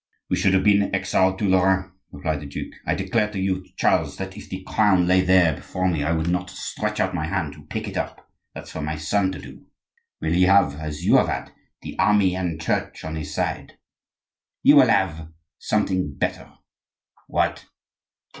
"We should have been exiled to Lorraine," replied the duke. "I declare to you, Charles, that if the crown lay there before me I would not stretch out my hand to pick it up. That's for my son to do." "Will he have, as you have had, the army and Church on his side?" "He will have something better." "What?"